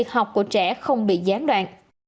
học của trẻ không bị gián đoạn